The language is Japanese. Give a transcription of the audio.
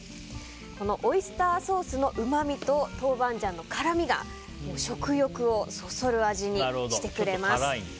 オイスターソースのうまみと豆板醤の辛みが食欲をそそる味にしてくれます。